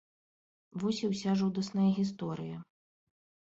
Вось і ўся жудасная гісторыя.